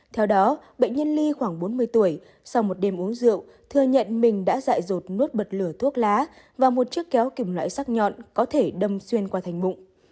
theo đó bệnh nhân ly khoảng bốn mươi tuổi sau một đêm uống rượu thừa nhận mình đã dạy rột nuốt bật lửa thuốc lá và một chiếc kéo kim loại sắc nhọn có thể đâm xuyên qua thành bụng